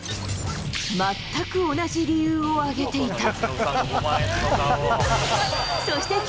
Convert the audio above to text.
全く同じ理由を挙げていた。